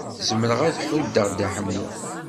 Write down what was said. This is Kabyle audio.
Zemreɣ ad ḥuddeɣ Dda Ḥemmu.